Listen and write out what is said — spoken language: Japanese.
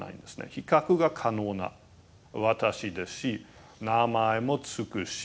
比較が可能な私ですし名前も付くし肩書きも付く。